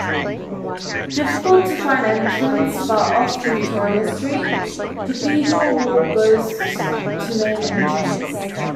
Difficult to find entrance but off Victoria Street, Cathedral Walk goes to main entrance.